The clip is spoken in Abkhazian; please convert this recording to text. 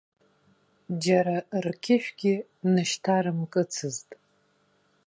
Џьара рқьышәгьы нышьҭарымкыцызт.